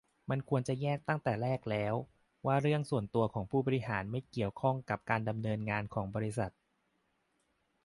มันควรจะแยกตั้งแต่แรกแล้ว ว่าเรื่องส่วนตัวของผู้บริหารไม่เกี่ยวข้องกับการดำเนินงานของบริษัท